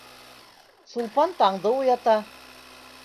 Сулпан таңды уята.